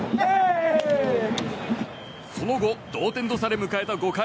その後、同点とされ迎えた５回。